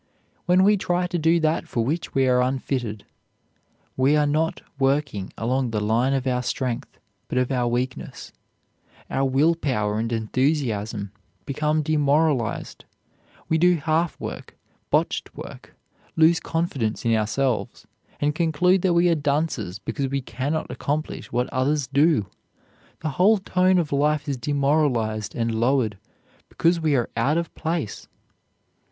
When we try to do that for which we are unfitted we are not working along the line of our strength, but of our weakness; our will power and enthusiasm become demoralized; we do half work, botched work, lose confidence in ourselves, and conclude that we are dunces because we cannot accomplish what others do; the whole tone of life is demoralized and lowered because we are out of place.